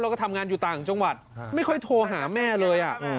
แล้วก็ทำงานอยู่ต่างจังหวัดไม่ค่อยโทรหาแม่เลย